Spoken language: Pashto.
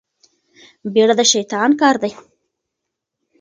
بيړه د شيطان کار دی.